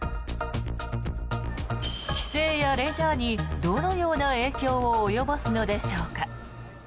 帰省やレジャーにどのような影響を及ぼすのでしょうか。